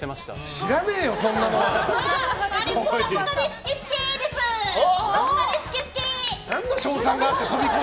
知らねえよ、そんなもん！